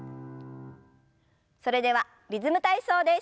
それでは「リズム体操」です。